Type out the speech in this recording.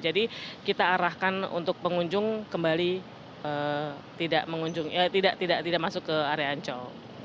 jadi kita arahkan untuk pengunjung kembali tidak masuk ke area ancol